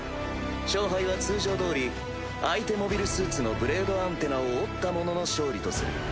勝敗は通常どおり相手モビルスーツのブレードアンテナを折った者の勝利とする。